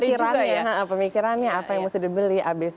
enggak hari harinya pemikirannya apa yang mesti dibeli abc